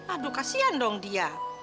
aduh kasihan dong dia